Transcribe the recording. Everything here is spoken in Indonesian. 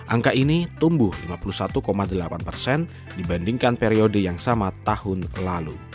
angka ini tumbuh lima puluh satu delapan persen dibandingkan periode yang sama tahun lalu